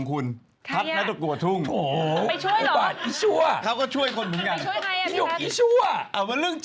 คุณบาทอีกชั่ว